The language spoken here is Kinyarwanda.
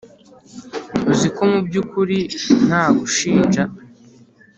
uziko mubyukuri ntagushinja